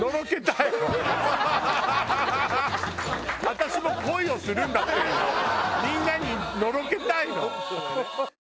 私も恋をするんだっていうみんなにのろけたいの。